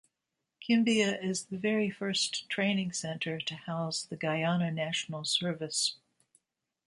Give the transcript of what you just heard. Kimbia is the very first training center to house the Guyana National Service.